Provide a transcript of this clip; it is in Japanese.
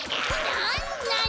なんなの？